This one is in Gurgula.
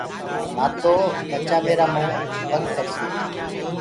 نآ تو ٻچآ ميرآ مئون تنگ ڪرسيٚ